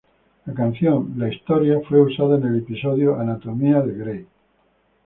La canción, ""The Story"", fue usada en un episodio de "Grey's Anatomy".